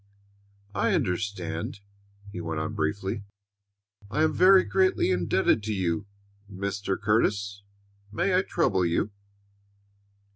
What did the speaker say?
"I understand," he went on briefly. "I am very greatly indebted to you, Mr. Curtis. May I trouble you?"